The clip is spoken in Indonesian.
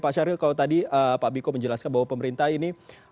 pak syahril kalau tadi pak biko menjelaskan bahwa pemerintah ini